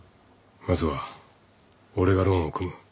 まずは俺がローンを組む。